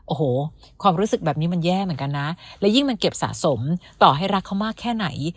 โอ้โหความรู้สึกแบบนี้มันแย่เหมือนกันนะและยิ่งมันเก็บสะสมต่อให้รักเขามากแค่ไหน